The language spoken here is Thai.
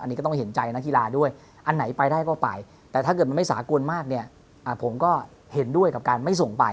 อันนี้ก็ต้องเห็นใจนักกีฬาด้วยอันไหนไปได้ก็ไปแต่ถ้าเกิดมันไม่สากลมากเนี่ยผมก็เห็นด้วยกับการไม่ส่งไป